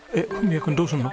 君どうするの？